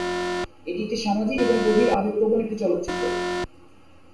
এটি একটি সামাজিক এবং গভীর আবেগপ্রবণ একটি চলচ্চিত্র।